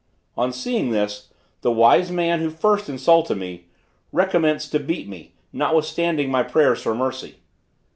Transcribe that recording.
On seeing this, the wise man who first insulted me, recommenced to beat me, notwithstanding my prayers for mercy.